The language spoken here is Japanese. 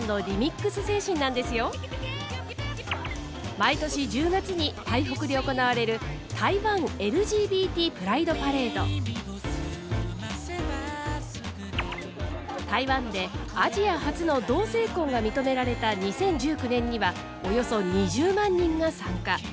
毎年１０月に台北で行われる台湾でアジア初の同性婚が認められた２０１９年にはおよそ２０万人が参加。